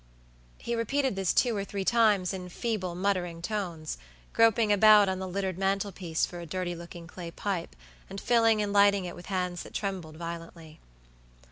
He repeated this two or three times in feeble, muttering tones; groping about on the littered mantle piece for a dirty looking clay pipe, and filling and lighting it with hands that trembled violently.